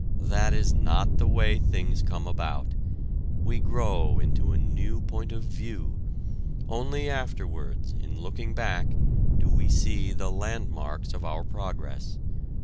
That is not the way things come about: we grow into a new point of view: only afterwards, in looking back, do we see the landmarks of our progress.